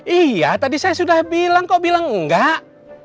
iya tadi saya sudah bilang kok bilang enggak